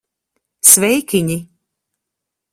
Sveikiņi!